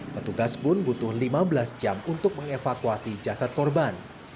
petugas pun butuh lima belas jam untuk mengevakuasi jasad korban